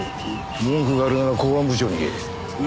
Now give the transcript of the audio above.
文句があるなら公安部長に言え。